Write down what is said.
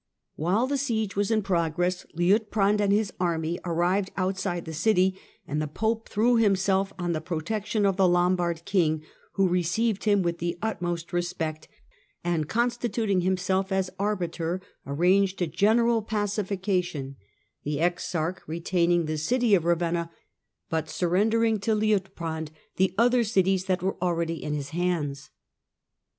While the siege was 1 progress Liutprand and his army arrived outside the ity, and the Pope threw himself on the protection of le Lombard king, who received him with the utmost ispect and, constituting himself as arbiter, arranged a eneral pacification, the exarch retaining the city of 122 THE DAWN OF MEDIEVAL EUROPE Ravenna, but surrendering to Liutprand the other cities that were already in his hands.